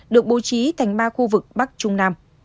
được bố trí thành ba khu vực bắc trung nam